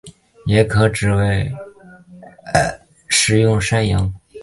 也可指为使用山羊等其他动物的乳汁生产的产品。